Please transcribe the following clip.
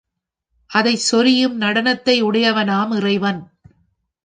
அதைச் சொரியும் நடனத்தையுடையவனாம் இறைவன்.